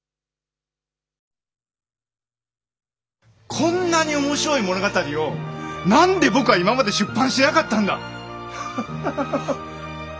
こんなに面白い物語を何で僕は今まで出版しなかったんだ！